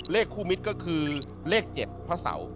คู่มิตรก็คือเลข๗พระเสา